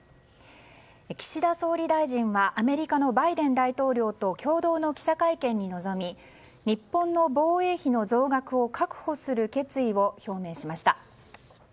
岸田総理大臣はアメリカのバイデン大統領と共同の記者会見に臨み日本の防衛費の増額を確保する決意を表明しました。